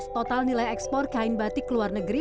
total nilai ekspor kain batik ke luar negeri